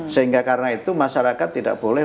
sehingga karena itu masyarakat tidak boleh